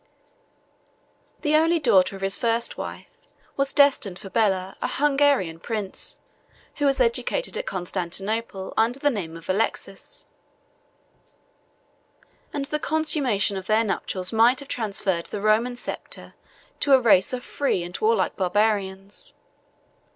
The only daughter of his first wife was destined for Bela, a Hungarian prince, who was educated at Constantinople under the name of Alexius; and the consummation of their nuptials might have transferred the Roman sceptre to a race of free and warlike Barbarians.